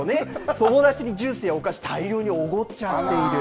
友達にジュースやお菓子、大量におごっちゃっている。